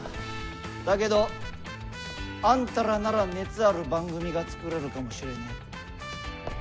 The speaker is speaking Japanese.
だけどあんたらなら熱ある番組が作れるかもしれねえ。